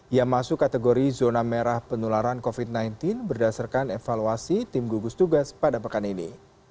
yang masuk kategori zona merah penularan covid sembilan belas berdasarkan evaluasi tim gugus tugas pada pekan ini